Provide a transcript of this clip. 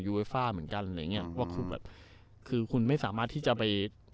ฟ่าเหมือนกันอะไรอย่างเงี้ยว่าคุณแบบคือคุณไม่สามารถที่จะไป